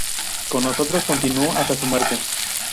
Con nosotros continuó hasta su muerte.